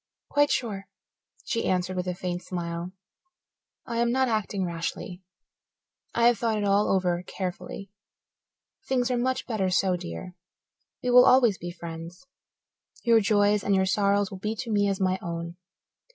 "Quite sure," she answered, with a faint smile. "I am not acting rashly. I have thought it all over carefully. Things are much better so, dear. We will always be friends. Your joys and sorrows will be to me as my own.